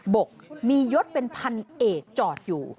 กมียศเป็นพันเอกจอดอยู่